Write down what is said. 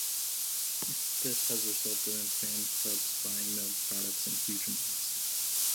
This has resulted in fan clubs buying milk products in huge amounts.